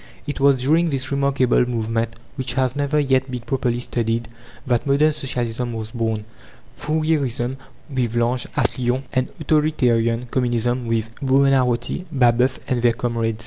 It was during this remarkable movement, which has never yet been properly studied, that modern Socialism was born Fourierism with L'Ange, at Lyons, and authoritarian Communism with Buonarroti, Babeuf, and their comrades.